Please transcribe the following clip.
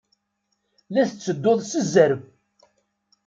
La tettedduḍ s zzerb.